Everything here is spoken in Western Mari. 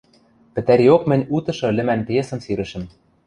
Пӹтӓриок мӹнь «Утышы» лӹмӓн пьесӹм сирӹшӹм.